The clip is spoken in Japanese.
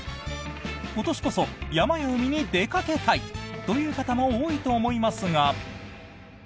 今年こそ山や海に出かけたいという方も多いと思いますが。